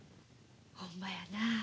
ほんまやな。